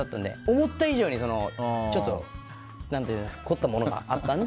思った以上に凝ったものがあったので。